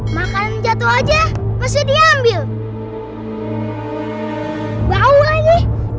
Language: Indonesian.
makan jatuh aja mesti diambil bau lagi